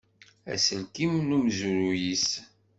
Aselkim d umezruy-is.